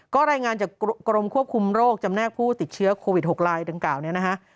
ก็รายงานจากกรมควบคุมโรคจำแนกผู้ติดเชื้อโควิด๖ลายดังกล่าวเนี่ยนะฮะ